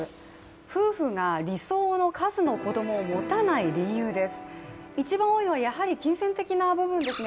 夫婦が理想の数の子どもを持たない理由です。